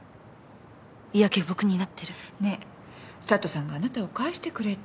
いや下僕になってるねえ佐都さんがあなたを返してくれって。